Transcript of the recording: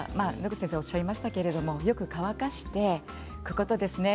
あとは野口さんおっしゃいましたけれどもよく乾かしておくことですね。